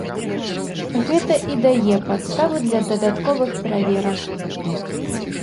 Гэта і дае падставу для дадатковых праверак.